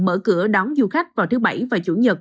mở cửa đón du khách vào thứ bảy và chủ nhật